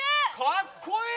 かっこいい！